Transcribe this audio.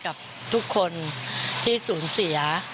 กำลังใจกับทุกคนที่สูญเสีย